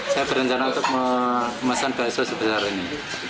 saya berencana untuk memesan bakso sebesar ini